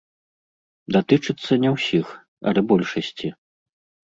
Датычыцца не ўсіх, але большасці.